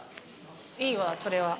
いいわそれは。